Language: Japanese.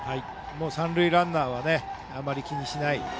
三塁ランナーはあんまり気にしない。